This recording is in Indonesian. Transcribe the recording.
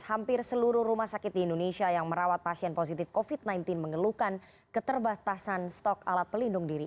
hampir seluruh rumah sakit di indonesia yang merawat pasien positif covid sembilan belas mengeluhkan keterbatasan stok alat pelindung diri